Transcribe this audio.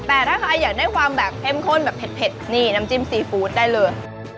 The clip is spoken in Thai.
แต่ถ้าใครอยากได้ความแบบเข้มข้นแบบเผ็ดนี่น้ำจิ้มซีฟู้ดได้เลย